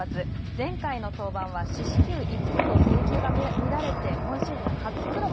前回の登板は四死球５つと制球が乱れて今シーズン初黒星。